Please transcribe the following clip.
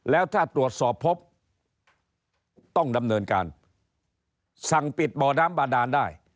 แล้วถ้าตรวจสอบพบต้องดำเนินการสั่งปิดบ่อน้ำบาดานได้